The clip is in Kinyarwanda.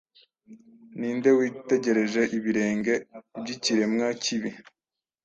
Ninde witegereje ibirenge-byikiremwa kibi